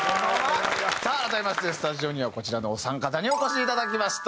さあ改めましてスタジオにはこちらのお三方にお越しいただきました。